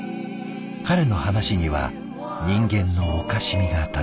彼の噺には人間のおかしみが漂う。